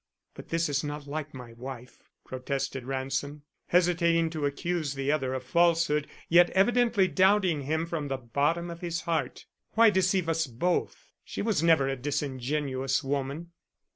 "But this is not like my wife," protested Ransom, hesitating to accuse the other of falsehood, yet evidently doubting him from the bottom of his heart. "Why deceive us both? She was never a disingenuous woman."